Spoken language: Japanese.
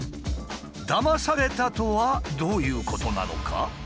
「だまされた」とはどういうことなのか？